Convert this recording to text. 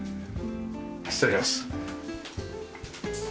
失礼します。